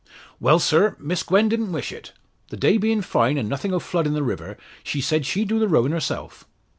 "Well, sir, Miss Gwen didn't wish it. The day bein' fine, an' nothing o' flood in the river, she sayed she'd do the rowin' herself."